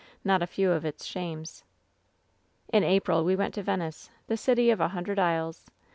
not a few of its shames. "In April we went to Venice — the city of a hundred isles.